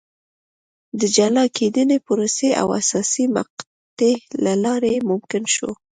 د جلا کېدنې پروسې او حساسې مقطعې له لارې ممکن شو.